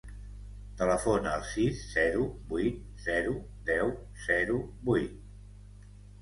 Telefona al sis, zero, vuit, zero, deu, zero, vuit.